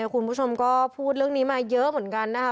คุณผู้ชมก็พูดเรื่องนี้มาเยอะเหมือนกันนะคะ